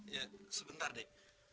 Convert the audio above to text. ya sebentar deh